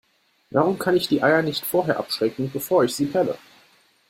Warum kann ich die Eier nicht vorher abschrecken, bevor ich sie pelle?